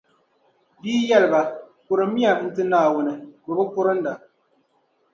Bɛ yi yɛli ba: Kurummi ya n-ti Naawuni, bɛ bi kurinda.